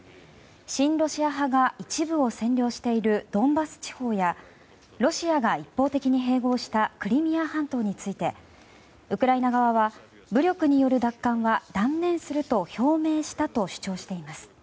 親ロシア派が一部を占領しているドンバス地方やロシアが一方的に併合したクリミア半島についてウクライナ側は武力による奪還は断念すると表明したと主張しています。